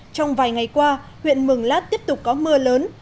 trong vài ngày qua huyện mường lát tiếp tục có mưa lớn